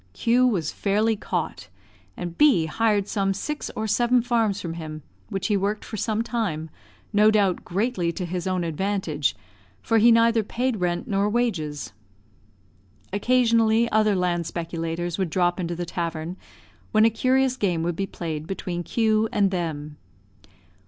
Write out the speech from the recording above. Q was fairly caught; and B hired some six or seven farms from him, which he worked for some time, no doubt greatly to his own advantage, for he neither paid rent nor wages. Occasionally, other land speculators would drop into the tavern, when a curious game would be played between Q and them.